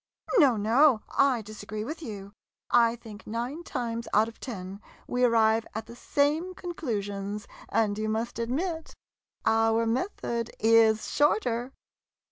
No — no — I disagree with you — I think nine times out of ten we arrive at the same conclusions, and you must admit— our method is shorter.